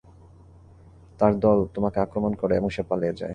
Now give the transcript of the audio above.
তার দল তোমাকে আক্রমণ করে এবং সে পালিয়ে যায়।